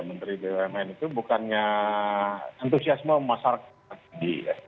menteri pomn itu bukannya entusiasme masyarakat sendiri